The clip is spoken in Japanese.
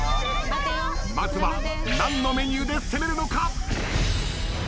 まずは何のメニューで攻めるのか？